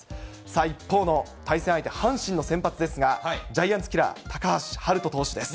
一方の対戦相手、阪神の先発ですが、ジャイアンツキラー、高橋遥人投手です。